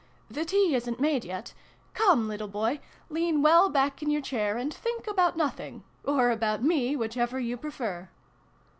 " The tea isn't made yet. Come, little boy, lean well back in your chair, and think about nothing or about me, whichever you prefer